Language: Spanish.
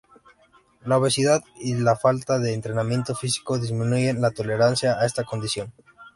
La obesidad y la falta de entrenamiento físico disminuyen la tolerancia a esta condición.